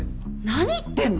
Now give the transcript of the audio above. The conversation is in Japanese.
何言ってんの！？